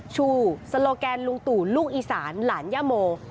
ชูสโลแกนลุงตู่ลูกอีสานหลานย่าโม